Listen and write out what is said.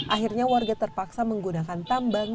akhirnya warga terpaksa menggunakan tambang